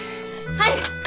はい。